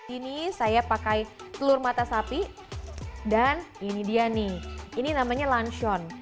ini saya pakai telur mata sapi dan ini dia nih ini namanya lunchon